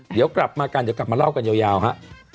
เดี๋ยวกลับมากันเดี๋ยวกลับมาเล่ากันยาวฮะ